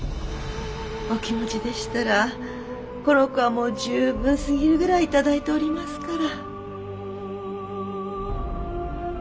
お気持ちでしたらこの子はもう十分すぎるぐらい頂いておりますから。